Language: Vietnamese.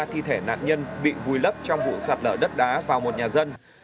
ba thi thể nạn nhân bị vùi lấp trong vụ sạt lở đất đá vào một nhà dân